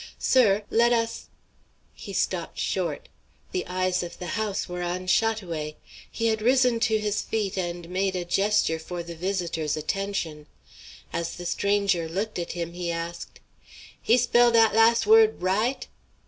"Sir, let us" He stopped short. The eyes of the house were on Chat oué. He had risen to his feet and made a gesture for the visitor's attention. As the stranger looked at him he asked: "He spell dat las word r i i ight?"